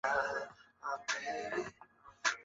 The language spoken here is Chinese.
圣瓦利埃。